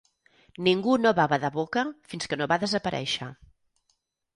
Ningú no va badar boca fins que no va desaparèixer.